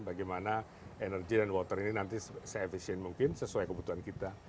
bagaimana energi dan water ini nanti se efisien mungkin sesuai kebutuhan kita